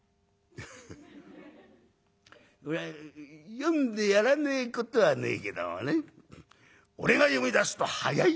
「読んでやらねえことはねえけどもね俺が読みだすと速いよ。